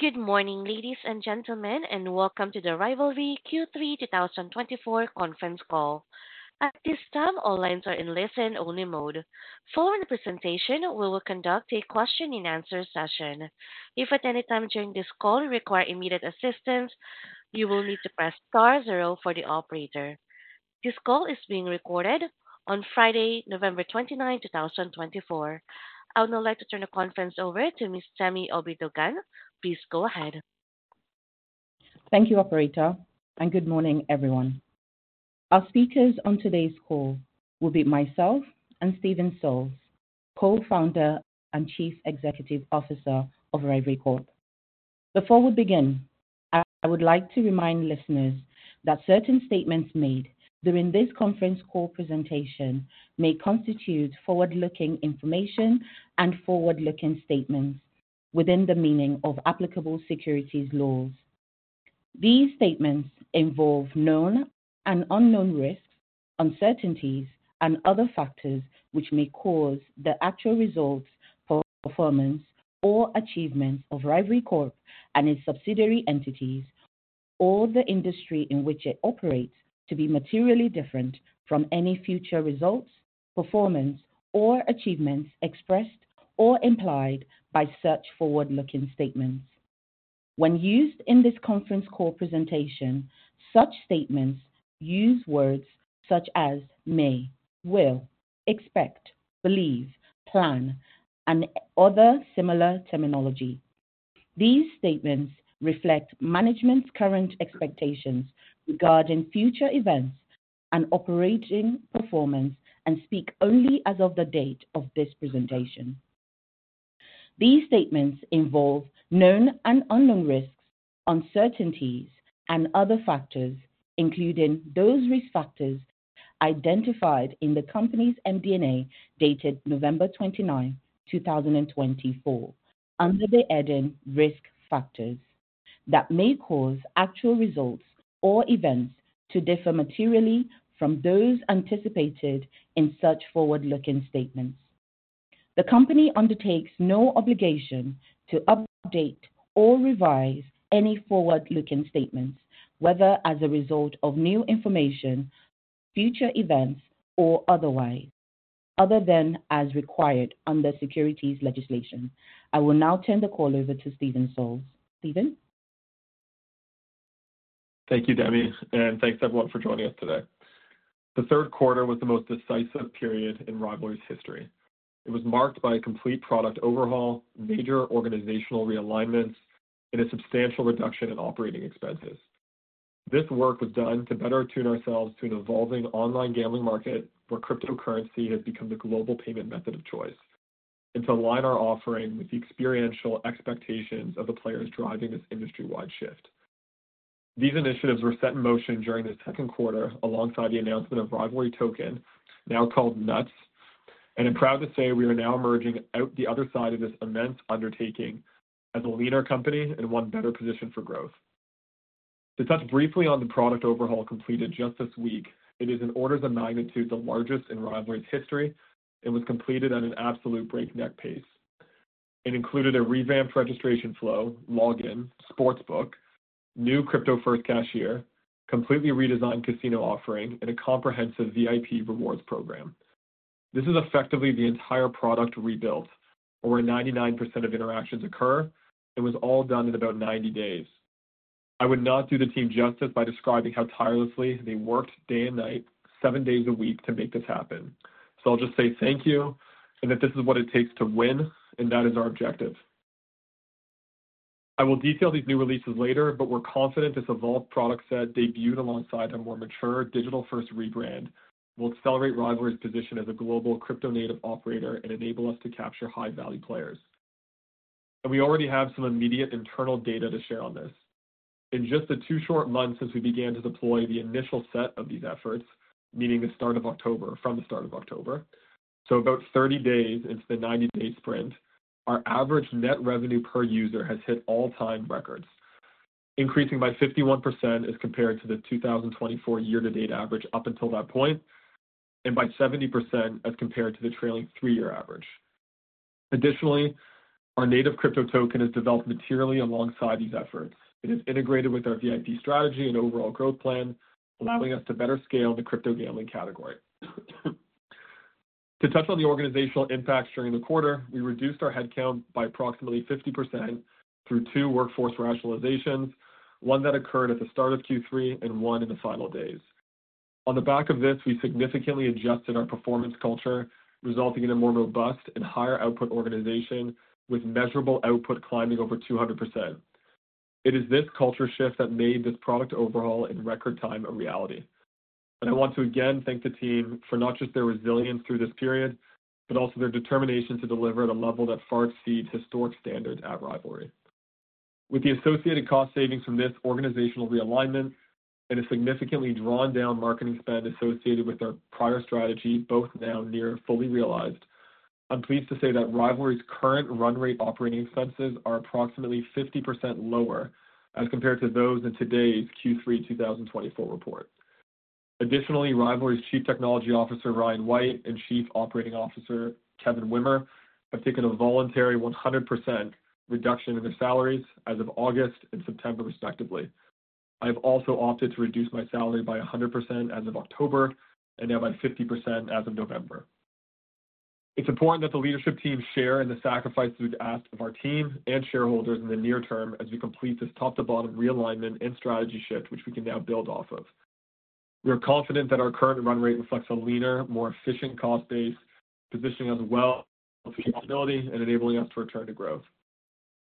Good morning, ladies and gentlemen, and welcome to the Rivalry Q3 2024 Conference Call. At this time, all lines are in listen-only mode. Following the presentation, we will conduct a question-and-answer session. If at any time during this call you require immediate assistance, you will need to press Star zero for the operator. This call is being recorded on Friday, November 29, 2024. I would now like to turn the conference over to Ms. Demi Abidogun. Please go ahead. Thank you, Operator, and good morning, everyone. Our speakers on today's call will be myself and Steven Salz, Co-Founder and Chief Executive Officer of Rivalry Corp. Before we begin, I would like to remind listeners that certain statements made during this conference call presentation may constitute forward-looking information and forward-looking statements within the meaning of applicable securities laws. These statements involve known and unknown risks, uncertainties, and other factors which may cause the actual results, performance, or achievements of Rivalry Corp. and its subsidiary entities or the industry in which it operates to be materially different from any future results, performance, or achievements expressed or implied by such forward-looking statements. When used in this conference call presentation, such statements use words such as may, will, expect, believe, plan, and other similar terminology. These statements reflect management's current expectations regarding future events and operating performance and speak only as of the date of this presentation. These statements involve known and unknown risks, uncertainties, and other factors, including those risk factors identified in the company's MD&A dated November 29, 2024, under the heading Risk Factors that may cause actual results or events to differ materially from those anticipated in such forward-looking statements. The company undertakes no obligation to update or revise any forward-looking statements, whether as a result of new information, future events, or otherwise, other than as required under securities legislation. I will now turn the call over to Steven Salz. Steven? Thank you, Demi, and thanks everyone for joining us today. The Q3 was the most decisive period in Rivalry's history. It was marked by a complete product overhaul, major organizational realignments, and a substantial reduction in operating expenses. This work was done to better attune ourselves to an evolving online gambling market where cryptocurrency has become the global payment method of choice and to align our offering with the experiential expectations of the players driving this industry-wide shift. These initiatives were set in motion during the Q2 alongside the announcement of Rivalry Token, now called NUTZ, and I'm proud to say we are now emerging out the other side of this immense undertaking as a leaner company and one better positioned for growth. To touch briefly on the product overhaul completed just this week, it is in orders of magnitude the largest in Rivalry's history and was completed at an absolute breakneck pace. It included a revamped registration flow, login, sportsbook, new crypto-first cashier, completely redesigned casino offering, and a comprehensive VIP rewards program. This is effectively the entire product rebuilt where 99% of interactions occur and was all done in about 90 days. I would not do the team justice by describing how tirelessly they worked day and night, seven days a week to make this happen. So I'll just say thank you and that this is what it takes to win, and that is our objective. I will detail these new releases later, but we're confident this evolved product set debuted alongside a more mature digital-first rebrand will accelerate Rivalry's position as a global crypto-native operator and enable us to capture high-value players, and we already have some immediate internal data to share on this. In just the two short months since we began to deploy the initial set of these efforts, meaning the start of October, from the start of October, so about 30 days into the 90-day sprint, our average net revenue per user has hit all-time records, increasing by 51% as compared to the 2024 year-to-date average up until that point and by 70% as compared to the trailing three-year average. Additionally, our native crypto token has developed materially alongside these efforts. It is integrated with our VIP strategy and overall growth plan, allowing us to better scale the crypto gambling category. To touch on the organizational impacts during the quarter, we reduced our headcount by approximately 50% through two workforce rationalizations, one that occurred at the start of Q3 and one in the final days. On the back of this, we significantly adjusted our performance culture, resulting in a more robust and higher output organization with measurable output climbing over 200%. It is this culture shift that made this product overhaul in record time a reality. And I want to again thank the team for not just their resilience through this period, but also their determination to deliver at a level that far exceeds historic standards at Rivalry. With the associated cost savings from this organizational realignment and a significantly drawn-down marketing spend associated with our prior strategy both now near fully realized, I'm pleased to say that Rivalry's current run-rate operating expenses are approximately 50% lower as compared to those in today's Q3 2024 report. Additionally, Rivalry's Chief Technology Officer Ryan White and Chief Operating Officer Kevin Wimer have taken a voluntary 100% reduction in their salaries as of August and September, respectively. I have also opted to reduce my salary by 100% as of October and now by 50% as of November. It's important that the leadership team share in the sacrifice we've asked of our team and shareholders in the near term as we complete this top-to-bottom realignment and strategy shift, which we can now build off of. We are confident that our current run-rate reflects a leaner, more efficient cost base, positioning us well for capability and enabling us to return to growth.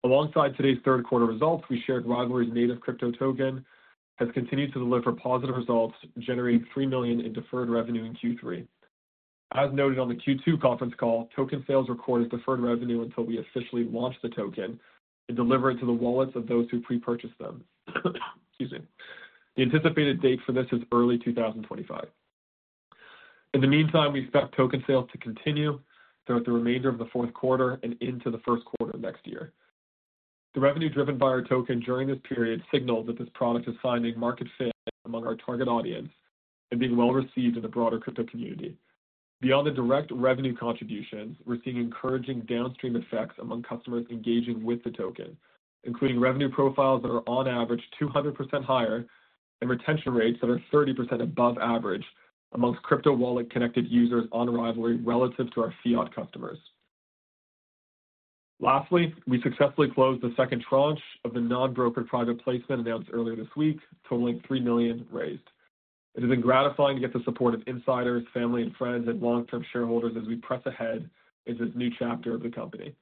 Alongside today's Q3 results, we shared Rivalry's native crypto token has continued to deliver positive results, generating 3 million in deferred revenue in Q3. As noted on the Q2 conference call, token sales record as deferred revenue until we officially launch the token and deliver it to the wallets of those who pre-purchased them. Excuse me. The anticipated date for this is early 2025. In the meantime, we expect token sales to continue throughout the remainder of the Q4 and into the Q1 of next year. The revenue driven by our token during this period signals that this product is finding market fit among our target audience and being well received in the broader crypto community. Beyond the direct revenue contributions, we're seeing encouraging downstream effects among customers engaging with the token, including revenue profiles that are on average 200% higher and retention rates that are 30% above average among crypto wallet-connected users on Rivalry relative to our fiat customers. Lastly, we successfully closed the second tranche of the non-brokered private placement announced earlier this week, totaling 3 million raised. It has been gratifying to get the support of insiders, family, and friends and long-term shareholders as we press ahead into this new chapter of the company.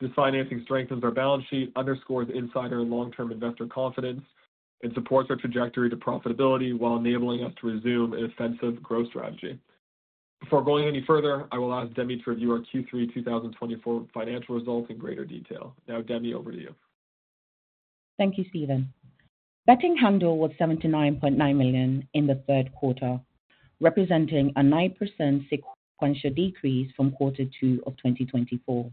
This financing strengthens our balance sheet, underscores insider and long-term investor confidence, and supports our trajectory to profitability while enabling us to resume an offensive growth strategy. Before going any further, I will ask Demi to review our Q3 2024 financial results in greater detail. Now, Demi, over to you. Thank you, Steven. Betting handle was 79.9 million in the Q3, representing a 9% sequential decrease from Q2 of 2024.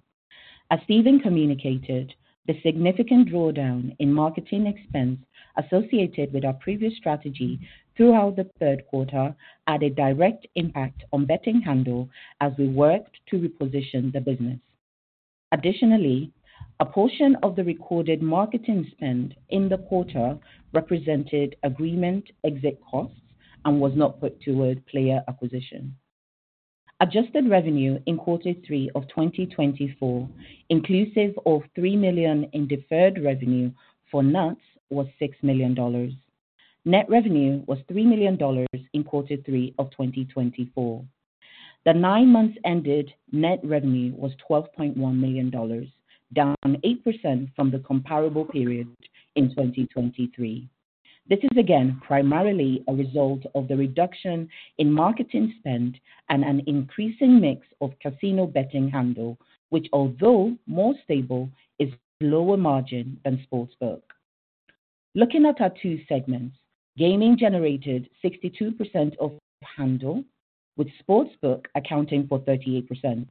As Steven communicated, the significant drawdown in marketing expense associated with our previous strategy throughout the Q3 had a direct impact on betting handle as we worked to reposition the business. Additionally, a portion of the recorded marketing spend in the quarter represented agreement exit costs and was not put toward player acquisition. Adjusted revenue in Q3 of 2024, inclusive of 3 million in deferred revenue for NUTZ, was 6 million dollars. Net revenue was 3 million dollars in Q3 of 2024. The nine-month-ended net revenue was 12.1 million dollars, down 8% from the comparable period in 2023. This is again primarily a result of the reduction in marketing spend and an increasing mix of casino betting handle, which, although more stable, is lower margin than sportsbook. Looking at our two segments, gaming generated 62% of handle, with sportsbook accounting for 38%.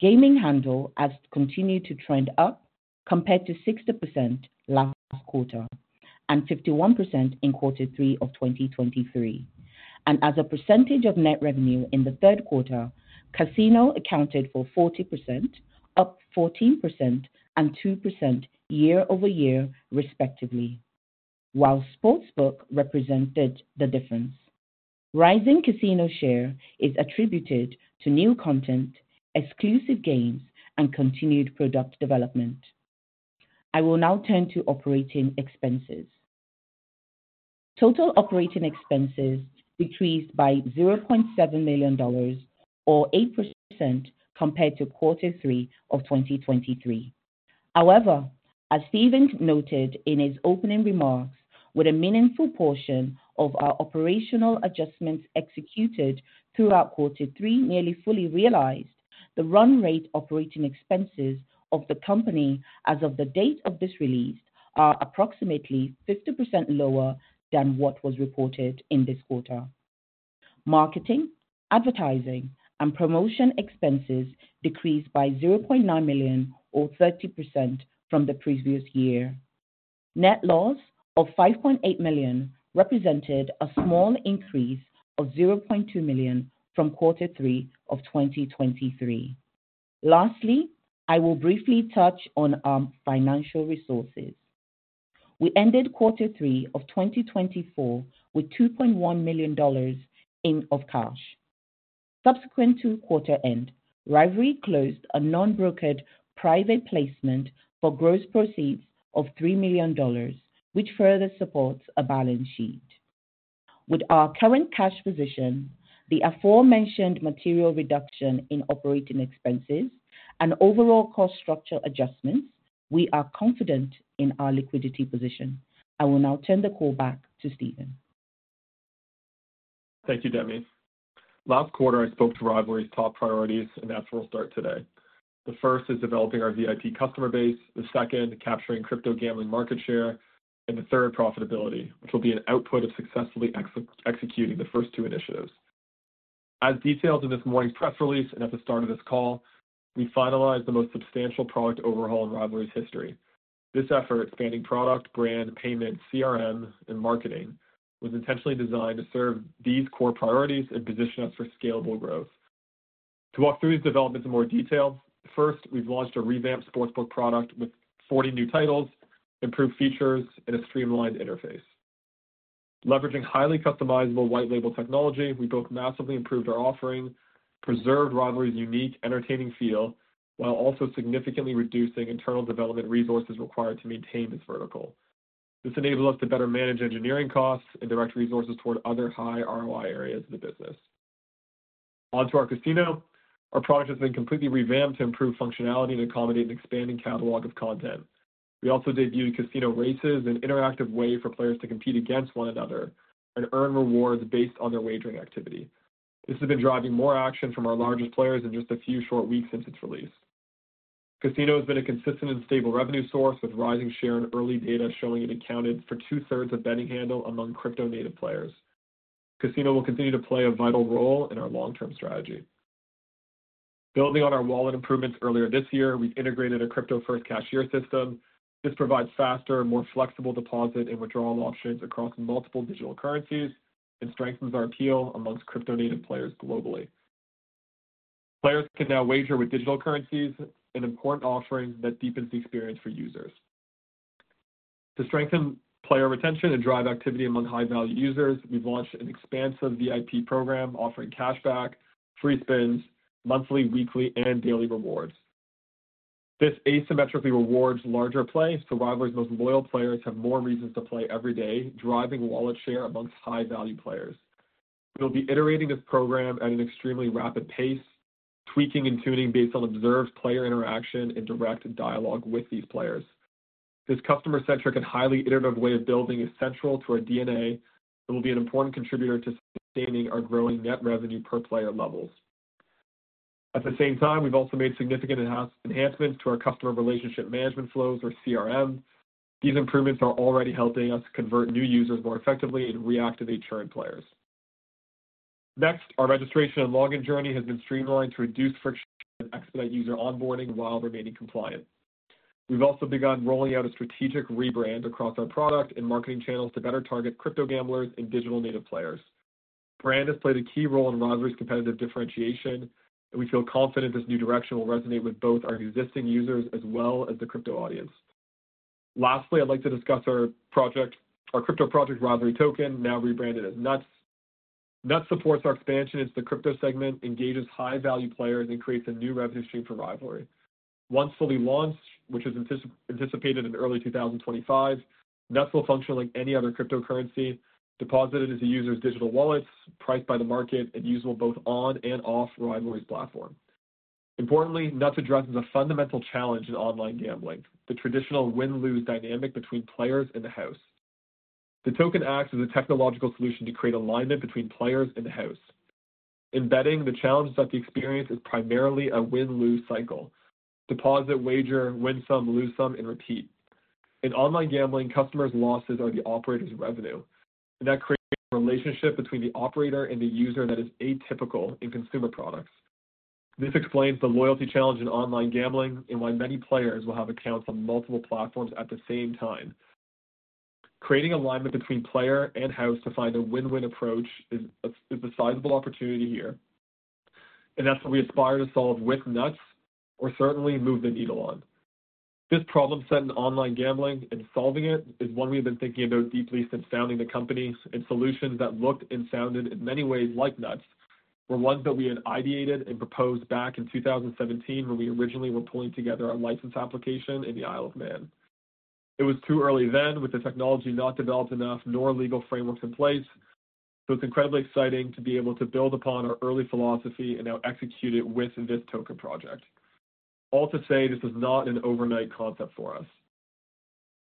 Gaming handle has continued to trend up compared to 60% last quarter and 51% in Q3 of 2023. As a percentage of net revenue in the Q3, casino accounted for 40%, up 14%, and 2% year-over-year, respectively, while sportsbook represented the difference. Rising casino share is attributed to new content, exclusive games, and continued product development. I will now turn to operating expenses. Total operating expenses decreased by 0.7 million dollars, or 8%, compared to Q3 of 2023. However, as Steven noted in his opening remarks, where a meaningful portion of our operational adjustments executed throughout Q3 nearly fully realized, the run-rate operating expenses of the company as of the date of this release are approximately 50% lower than what was reported in this quarter. Marketing, advertising, and promotion expenses decreased by 0.9 million, or 30%, from the previous year. Net loss of 5.8 million represented a small increase of 0.2 million from Q3 of 2023. Lastly, I will briefly touch on our financial resources. We ended Q3 of 2024 with 2.1 million dollars in cash. Subsequent to quarter end, Rivalry closed a non-brokered private placement for gross proceeds of 3 million dollars, which further supports our balance sheet. With our current cash position, the aforementioned material reduction in operating expenses, and overall cost structure adjustments, we are confident in our liquidity position. I will now turn the call back to Steven. Thank you, Demi. Last quarter, I spoke to Rivalry's top priorities, and that's where we'll start today. The first is developing our VIP customer base, the second, capturing crypto gambling market share, and the third, profitability, which will be an output of successfully executing the first two initiatives. As detailed in this morning's press release and at the start of this call, we finalized the most substantial product overhaul in Rivalry's history. This effort, spanning product, brand, payment, CRM, and marketing, was intentionally designed to serve these core priorities and position us for scalable growth. To walk through these developments in more detail, first, we've launched a revamped sportsbook product with 40 new titles, improved features, and a streamlined interface. Leveraging highly customizable white-label technology, we both massively improved our offering, preserved Rivalry's unique, entertaining feel, while also significantly reducing internal development resources required to maintain this vertical. This enabled us to better manage engineering costs and direct resources toward other high ROI areas of the business. Onto our casino. Our product has been completely revamped to improve functionality and accommodate an expanding catalog of content. We also debuted casino races, an interactive way for players to compete against one another and earn rewards based on their wagering activity. This has been driving more action from our largest players in just a few short weeks since its release. Casino has been a consistent and stable revenue source with rising share in early data showing it accounted for two-thirds of betting handle among crypto-native players. Casino will continue to play a vital role in our long-term strategy. Building on our wallet improvements earlier this year, we've integrated a crypto-first cashier system. This provides faster, more flexible deposit and withdrawal options across multiple digital currencies and strengthens our appeal among crypto-native players globally. Players can now wager with digital currencies, an important offering that deepens the experience for users. To strengthen player retention and drive activity among high-value users, we've launched an expansive VIP program offering cashback, free spins, monthly, weekly, and daily rewards. This asymmetrically rewards larger plays, so Rivalry's most loyal players have more reasons to play every day, driving wallet share among high-value players. We'll be iterating this program at an extremely rapid pace, tweaking and tuning based on observed player interaction and direct dialogue with these players. This customer-centric and highly iterative way of building is central to our DNA and will be an important contributor to sustaining our growing net revenue per player levels. At the same time, we've also made significant enhancements to our customer relationship management flows, or CRM. These improvements are already helping us convert new users more effectively and reactivate current players. Next, our registration and login journey has been streamlined to reduce friction and expedite user onboarding while remaining compliant. We've also begun rolling out a strategic rebrand across our product and marketing channels to better target crypto gamblers and digital-native players. Brand has played a key role in Rivalry's competitive differentiation, and we feel confident this new direction will resonate with both our existing users as well as the crypto audience. Lastly, I'd like to discuss our project, our crypto project Rivalry Token, now rebranded as NUTZ. NUTZ supports our expansion into the crypto segment, engages high-value players, and creates a new revenue stream for Rivalry. Once fully launched, which is anticipated in early 2025, NUTZ will function like any other cryptocurrency, deposited into users' digital wallets, priced by the market, and usable both on and off Rivalry's platform. Importantly, NUTZ addresses a fundamental challenge in online gambling, the traditional win-lose dynamic between players and the house. The token acts as a technological solution to create alignment between players and the house. In betting, the challenge is that the experience is primarily a win-lose cycle: deposit, wager, win some, lose some, and repeat. In online gambling, customers' losses are the operator's revenue, and that creates a relationship between the operator and the user that is atypical in consumer products. This explains the loyalty challenge in online gambling and why many players will have accounts on multiple platforms at the same time. Creating alignment between player and house to find a win-win approach is a sizable opportunity here, and that's what we aspire to solve with NUTZ, or certainly move the needle on. This problem set in online gambling and solving it is one we've been thinking about deeply since founding the company, and solutions that looked and sounded in many ways like NUTZ were ones that we had ideated and proposed back in 2017 when we originally were pulling together our license application in the Isle of Man. It was too early then, with the technology not developed enough nor legal frameworks in place, so it's incredibly exciting to be able to build upon our early philosophy and now execute it with this token project. All to say, this was not an overnight concept for us.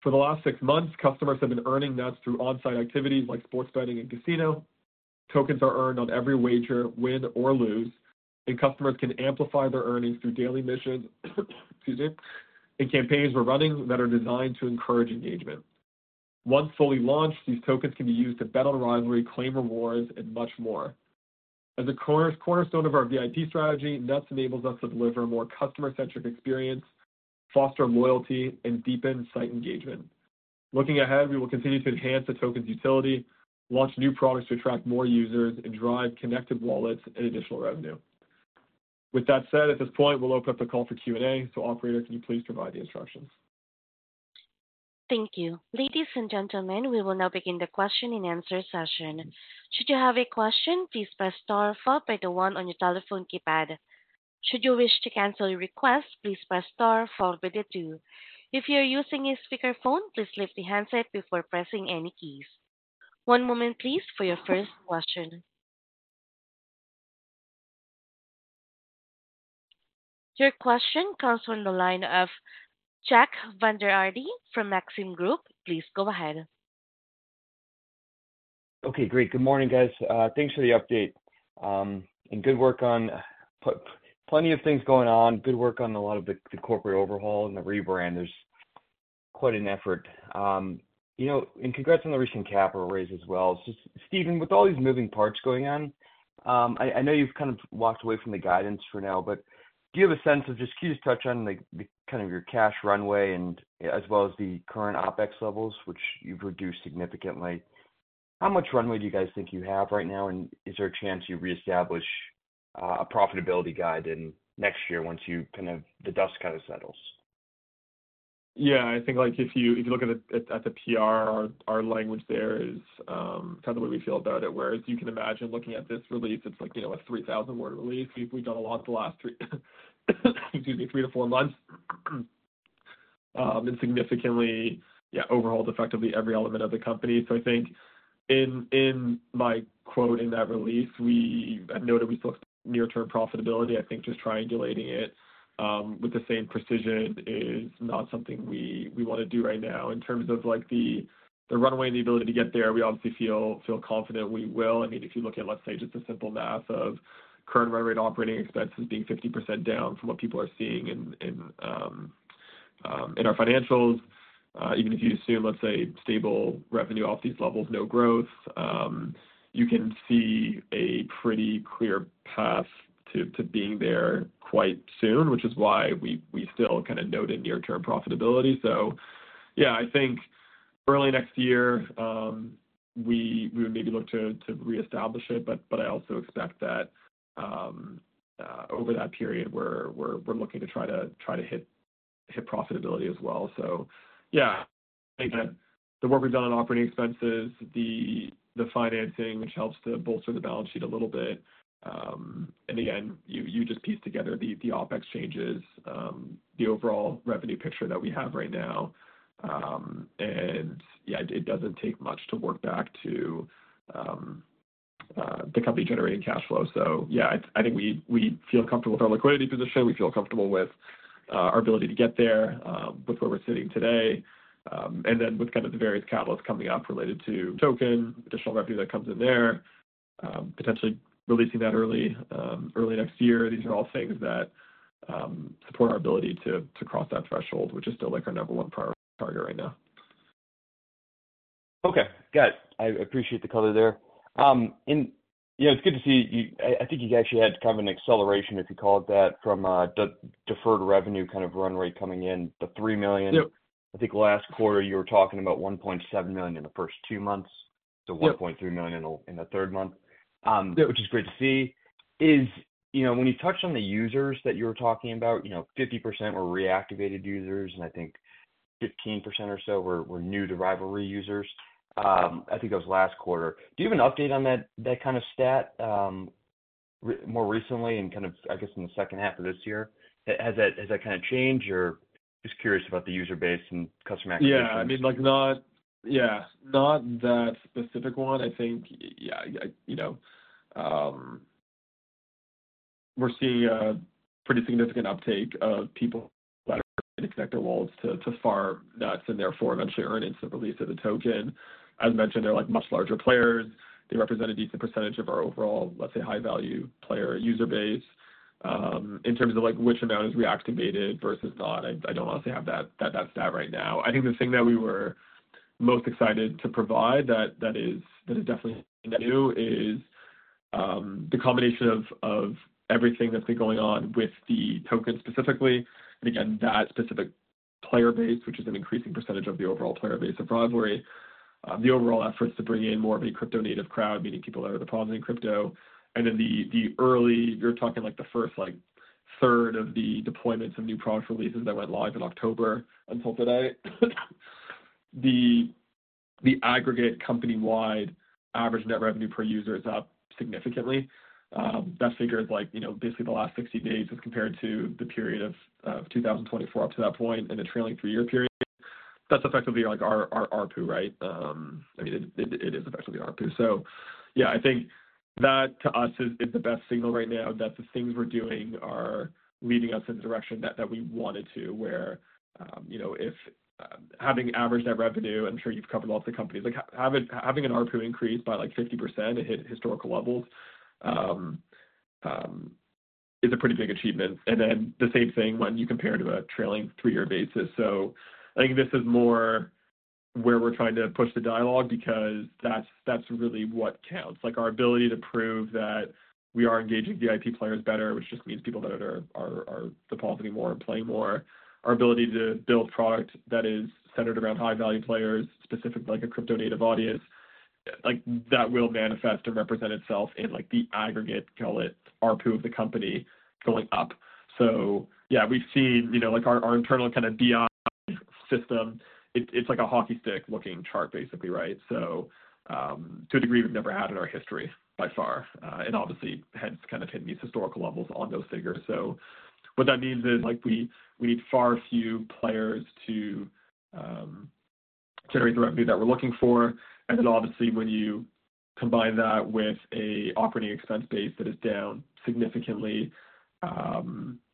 For the last six months, customers have been earning NUTZ through on-site activities like sports betting and casino. Tokens are earned on every wager, win or lose, and customers can amplify their earnings through daily missions and campaigns we're running that are designed to encourage engagement. Once fully launched, these tokens can be used to bet on Rivalry, claim rewards, and much more. As a cornerstone of our VIP strategy, NUTZ enables us to deliver a more customer-centric experience, foster loyalty, and deepen site engagement. Looking ahead, we will continue to enhance the token's utility, launch new products to attract more users, and drive connected wallets and additional revenue. With that said, at this point, we'll open up the call for Q&A, so Operator, can you please provide the instructions? Thank you. Ladies and gentlemen, we will now begin the question and answer session. Should you have a question, please press star followed by the one on your telephone keypad. Should you wish to cancel your request, please press Star followed by the two. If you're using a speakerphone, please lift the handset before pressing any keys. One moment, please, for your first question. Your question comes from the line of Jack Vander Aarde from Maxim Group. Please go ahead. Okay, great. Good morning, guys. Thanks for the update. And good work on plenty of things going on, good work on a lot of the corporate overhaul and the rebrand. There's quite an effort. And congrats on the recent capital raise as well. Steven, with all these moving parts going on, I know you've kind of walked away from the guidance for now, but do you have a sense of just, can you just touch on kind of your cash runway as well as the current OpEx levels, which you've reduced significantly? How much runway do you guys think you have right now, and is there a chance you reestablish a profitability guide next year once the dust kind of settles? Yeah, I think if you look at the PR, our language there is kind of the way we feel about it. Whereas you can imagine looking at this release, it's like a 3,000-word release. We've done a lot the last, excuse me, three to four months and significantly overhauled effectively every element of the company. So I think in my quote in that release, I noted we still, near-term profitability, I think just triangulating it with the same precision is not something we want to do right now. In terms of the runway and the ability to get there, we obviously feel confident we will. I mean, if you look at, let's say, just the simple math of current run rate operating expenses being 50% down from what people are seeing in our financials, even if you assume, let's say, stable revenue off these levels, no growth, you can see a pretty clear path to being there quite soon, which is why we still kind of note a near-term profitability. So yeah, I think early next year we would maybe look to reestablish it, but I also expect that over that period, we're looking to try to hit profitability as well. So yeah, I think that the work we've done on operating expenses, the financing, which helps to bolster the balance sheet a little bit. And again, you just pieced together the OpEx changes, the overall revenue picture that we have right now, and yeah, it doesn't take much to work back to the company-generating cash flow. So yeah, I think we feel comfortable with our liquidity position. We feel comfortable with our ability to get there with where we're sitting today. And then with kind of the various catalysts coming up related to token, additional revenue that comes in there, potentially releasing that early next year, these are all things that support our ability to cross that threshold, which is still our number one priority target right now. Okay. Got it. I appreciate the color there. And it's good to see, I think you actually had kind of an acceleration, if you call it that, from deferred revenue kind of run rate coming in the 3 million. I think last quarter, you were talking about 1.7 million in the first two months, so 1.3 million in the third month, which is great to see. When you touched on the users that you were talking about, 50% were reactivated users, and I think 15% or so were new to Rivalry users. I think that was last quarter. Do you have an update on that kind of stat more recently and kind of, I guess, in the second half of this year? Has that kind of changed? Or just curious about the user base and customer activation. Yeah. I mean, yeah, not that specific one. I think we're seeing a pretty significant uptake of people that are trying to connect their wallets to farm NUTZ and therefore eventually earn instant release of the token. As mentioned, they're much larger players. They represent a decent percentage of our overall, let's say, high-value player user base. In terms of which amount is reactivated versus not, I don't honestly have that stat right now. I think the thing that we were most excited to provide that is definitely new is the combination of everything that's been going on with the token specifically. And again, that specific player base, which is an increasing percentage of the overall player base of Rivalry, the overall efforts to bring in more of a crypto-native crowd, meaning people that are depositing crypto. And then the early, you're talking like the first third of the deployments of new product releases that went live in October until today. The aggregate company-wide average net revenue per user is up significantly. That figure is basically the last 60 days as compared to the period of 2024 up to that point and the trailing three-year period. That's effectively our ARPU, right? I mean, it is effectively our ARPU. So yeah, I think that to us is the best signal right now that the things we're doing are leading us in the direction that we wanted to, where if having average net revenue, I'm sure you've covered lots of companies, having an ARPU increase by like 50% and hit historical levels is a pretty big achievement. And then the same thing when you compare to a trailing three-year basis. So I think this is more where we're trying to push the dialogue because that's really what counts. Our ability to prove that we are engaging VIP players better, which just means people that are depositing more and playing more, our ability to build product that is centered around high-value players, specifically a crypto-native audience, that will manifest and represent itself in the aggregate, call it ARPU of the company going up. So yeah, we've seen our internal kind of BI system, it's like a hockey stick-looking chart, basically, right? So to a degree, we've never had in our history by far, and obviously has kind of hit these historical levels on those figures. So what that means is we need far few players to generate the revenue that we're looking for. And then obviously, when you combine that with an operating expense base that is down significantly,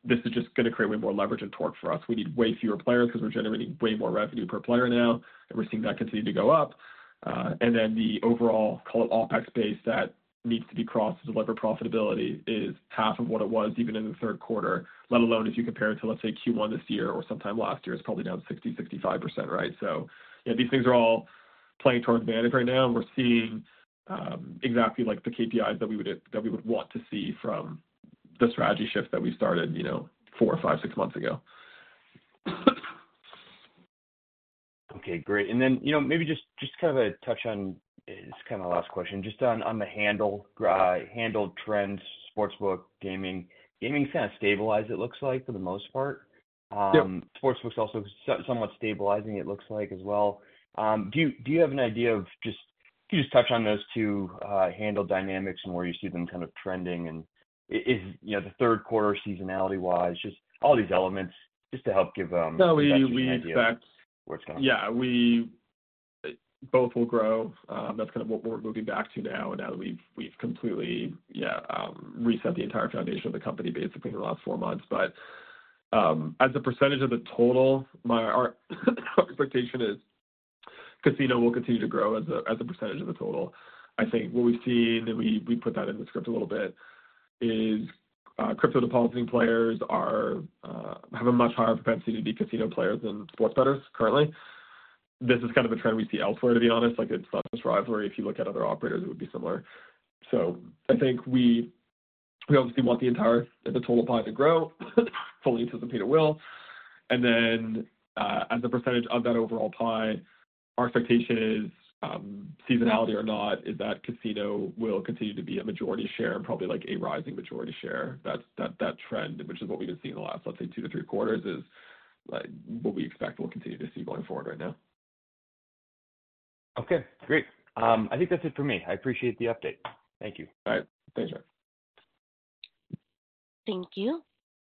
this is just going to create way more leverage and torque for us. We need way fewer players because we're generating way more revenue per player now, and we're seeing that continue to go up. And then the overall, call it OpEx base, that needs to be crossed to deliver profitability is half of what it was even in the Q3, let alone if you compare it to, let's say, Q1 this year or sometime last year, it's probably down 60%-65%, right? So yeah, these things are all playing to our advantage right now, and we're seeing exactly the KPIs that we would want to see from the strategy shift that we started four or five, six months ago. Okay. Great. And then maybe just kind of a touch on it. It's kind of the last question, just on the handle trends, sportsbook, gaming. Gaming's kind of stabilized, it looks like, for the most part. Sportsbook's also somewhat stabilizing, it looks like, as well. Do you have an idea of just, can you just touch on those two handle dynamics and where you see them kind of trending? And is the Q3 seasonality-wise, just all these elements just to help give a sense of the idea? Yeah. We expect. Where it's going? Yeah. Both will grow. That's kind of what we're moving back to now that we've completely, yeah, reset the entire foundation of the company, basically, in the last four months. But as a percentage of the total, my expectation is casino will continue to grow as a percentage of the total. I think what we've seen, and we put that in the script a little bit, is crypto depositing players have a much higher propensity to be casino players than sports bettors currently. This is kind of a trend we see elsewhere, to be honest. It's not just Rivalry. If you look at other operators, it would be similar. So I think we obviously want the entire total pie to grow fully to the point it will. Then, as a percentage of that overall pie, our expectation is, seasonality or not, that casino will continue to be a majority share and probably a rising majority share. That trend, which is what we've been seeing the last, let's say, two to three quarters, is what we expect we'll continue to see going forward right now. Okay. Great. I think that's it for me. I appreciate the update. Thank you. All right. Thanks, [Aarde]. Thank you.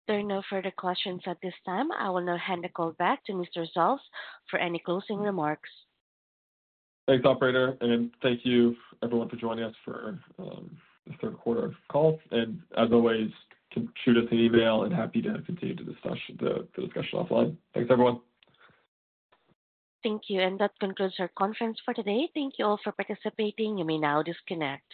There are no further questions at this time. I will now hand the call back to Mr. Salz for any closing remarks. Thanks, Operator. And thank you, everyone, for joining us for the Q3 call. And as always, shoot us an email, and happy to continue the discussion offline. Thanks, everyone. Thank you. And that concludes our conference for today. Thank you all for participating. You may now disconnect.